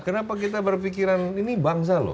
kenapa kita berpikiran ini bangsa loh